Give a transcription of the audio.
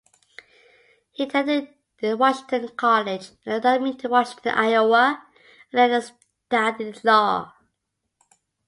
He attended Washington College, an academy in Washington, Iowa, and then studied law.